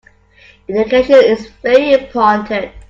Education is very important.